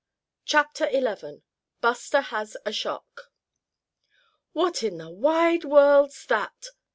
CHAPTER XI BUSTER HAS A SHOCK "What in the wide world's that?"